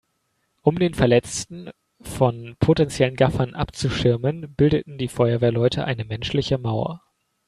Um den Verletzten von potenziellen Gaffern abzuschirmen, bildeten die Feuerwehrleute eine menschliche Mauer.